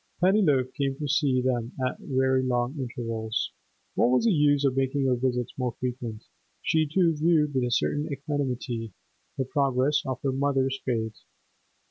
Pennyloaf came to see them at very long intervals; what was the use of making her visits more frequent? She, too, viewed with a certain equanimity the progress of her mother's fate.